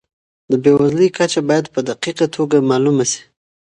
د بېوزلۍ کچه باید په دقیقه توګه معلومه سي.